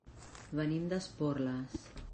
Venim d'Esporles.